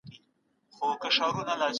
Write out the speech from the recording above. رباني مرحله تخيلي فکر څرګندوي.